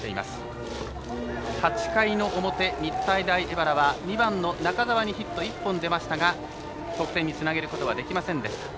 ８回の表、日体大荏原は２番の中澤ヒット１本出ましたが得点につなげることはできませんでした。